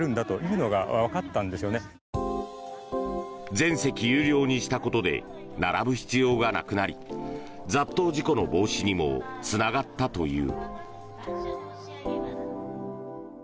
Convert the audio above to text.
全席有料にしたことで並ぶ必要がなくなり雑踏事故の防止にもつながったという。